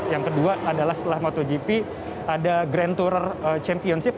yang kedua adalah setelah motogp ada grand tourer championship